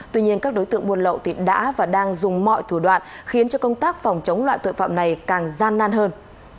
tuy nhiên các đối tượng buôn lậu đã và đang dùng mọi thủ đoạn khiến cho công tác phòng chống loại tội phạm này càng gian nan hơn